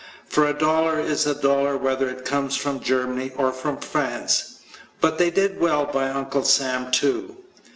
For a dollar is a dollar whether it comes from Germany or from France. But they did well by Uncle Sam too.